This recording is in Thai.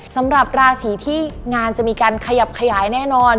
สำหรับราศีที่งานจะมีการขยับขยายแน่นอน